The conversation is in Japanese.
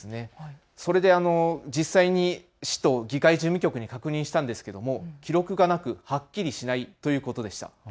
それで実際に市と議会事務局に確認したんですが記録がなくはっきりしないということでした。